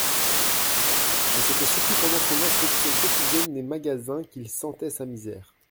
Mais c'était surtout pendant son inspection quotidienne des magasins, qu'il sentait sa misère.